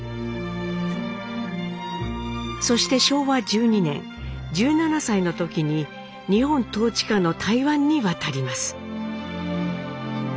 そして昭和１２年１７歳の時に日本統治下の台湾に渡ります。